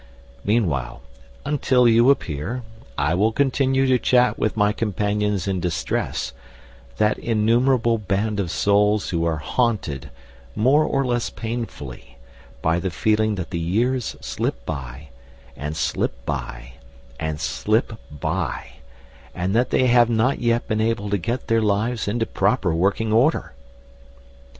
Meanwhile, until you appear, I will continue to chat with my companions in distress that innumerable band of souls who are haunted, more or less painfully, by the feeling that the years slip by, and slip by, and slip by, and that they have not yet been able to get their lives into proper working order.